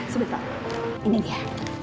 sebentar ini dia